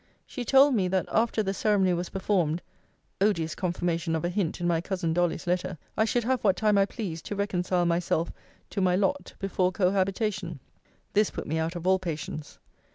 She told me, that, after the ceremony was performed [odious confirmation of a hint in my cousin Dolly's letter!] I should have what time I pleased to reconcile myself to my lot before cohabitation. This put me out of all patience.